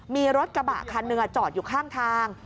มีรถกระบะคันหนึ่งจอดอยู่ข้างทาง